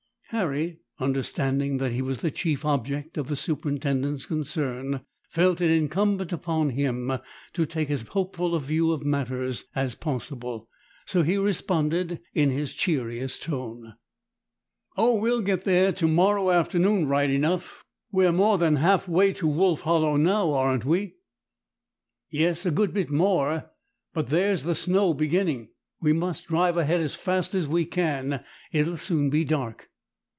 Harry, understanding that he was the chief object of the superintendent's concern, felt it incumbent upon him to take as hopeful a view of matters as possible, so he responded in his cheeriest tone,— "Oh, we'll get there to morrow afternoon right enough! We're more than half way to Wolf Hollow now, aren't we?" "Yes, a good bit more; but there's the snow beginning. We must drive ahead as fast as we can. It'll soon be dark."